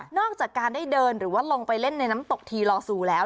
อกจากการได้เดินหรือว่าลงไปเล่นในน้ำตกทีลอซูแล้ว